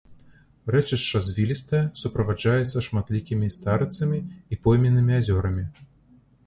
Рэчышча звілістае, суправаджаецца шматлікімі старыцамі і пойменнымі азёрамі.